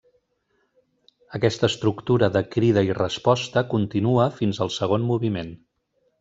Aquesta estructura de crida i resposta continua fins al segon moviment.